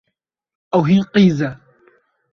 Ew hîn qîz e.